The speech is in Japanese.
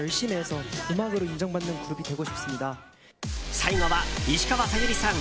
最後は石川さゆりさん